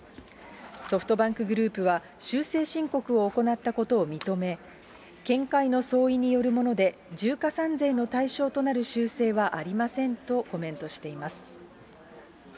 ソフトバンクグループは、修正申告を行ったことを認め、見解の相違によるもので、重加算税の対象となる修正はありませんとコメントしています。